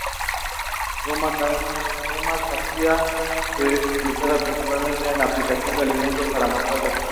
Goma cassia es utilizada principalmente en aplicaciones de alimentos para mascotas.